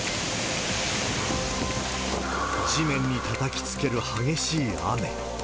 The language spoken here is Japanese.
地面にたたきつける激しい雨。